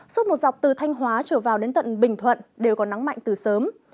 suốt một dọc từ thanh hóa trở vào đến tận bình thuận đều có nắng mạnh từ sớm